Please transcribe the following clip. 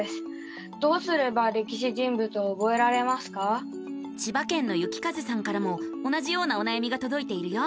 ぼくは千葉県のゆきかぜさんからも同じようなおなやみがとどいているよ。